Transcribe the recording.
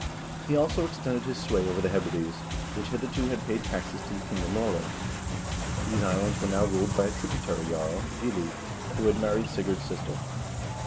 He also extended his sway over the Hebrides, which hitherto had paid taxes to the king of Norway.2 These islands were now ruled by a tributary jarl, Gilli, who had married Sigurd's sister.